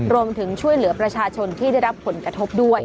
รวมถึงช่วยเหลือประชาชนที่ได้รับผลกระทบด้วย